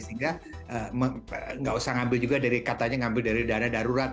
sehingga nggak usah ngambil juga dari katanya ngambil dari dana darurat